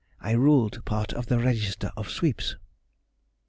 _—I ruled part of the register of sweeps.